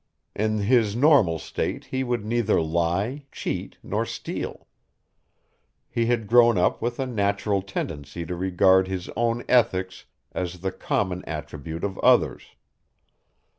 In his normal state he would neither lie, cheat, nor steal. He had grown up with a natural tendency to regard his own ethics as the common attribute of others.